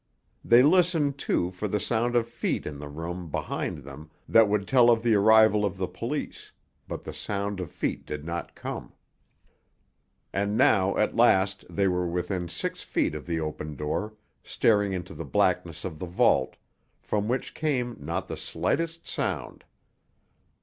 They listened, too, for the sound of feet in the room behind them that would tell of the arrival of the police, but the sound of feet did not come. And now, at last, they were within six feet of the open door, staring into the blackness of the vault, from which came not the slightest sound.